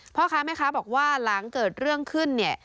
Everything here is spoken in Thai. พ่อค้าแม่ค้าบอกว่าหลังเกิดเรื่องขึ้นเนี่ย